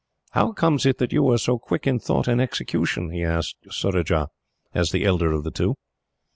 "How comes it that you were so quick in thought and execution?" he asked Surajah, as the elder of the two.